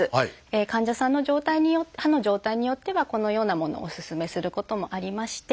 患者さんの状態歯の状態によってはこのようなものをおすすめすることもありまして。